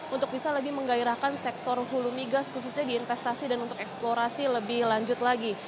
untuk bisa lebih menggairahkan sektor hulu migas khususnya di investasi dan untuk eksplorasi lebih lanjut lagi